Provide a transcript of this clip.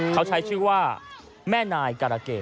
เขาใช้ชื่อว่าแม่นายการะเกด